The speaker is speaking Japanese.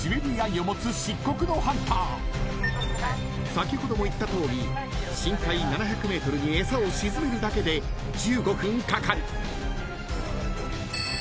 ［先ほども言ったとおり深海７００ｍに餌を沈めるだけで１５分かかる］